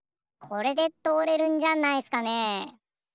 これでとおれるんじゃないっすかね。